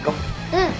うん。